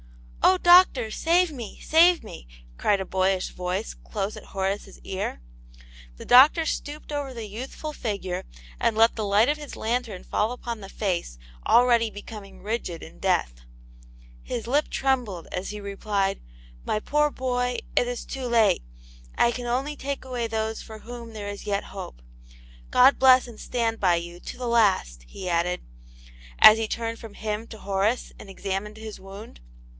" Oh, doctor, save me, save me !cried a boyish voice close at Horace's ear. The doctor stooped over the youthful figure, and let the light of his lantern fall upon the face already becoming rigid in death. His lip trembled, as he replied, " My poor boy, it is too late. I can only take away those for whom there is yet hope. God bless and stand by you to the last !" he added, as he turned from him to Horace and examined his wound.